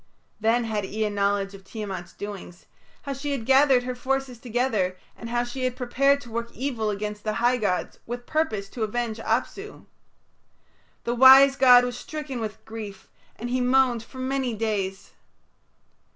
Then had Ea knowledge of Tiamat's doings, how she had gathered her forces together, and how she had prepared to work evil against the high gods with purpose to avenge Apsu. The wise god was stricken with grief, and he moaned for many days.